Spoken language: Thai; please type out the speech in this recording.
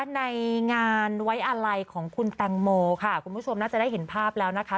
ในงานไว้อะไรของคุณแตงโมค่ะคุณผู้ชมน่าจะได้เห็นภาพแล้วนะคะ